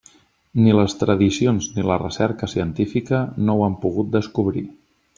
Ni les tradicions ni la recerca científica no ho han pogut descobrir.